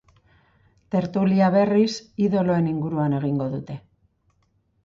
Tertulia, berriz, idoloen inguruan egingo dute.